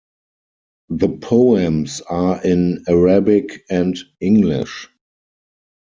The poems are in Arabic and English.